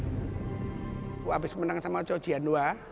aku habis menang sama cojian dua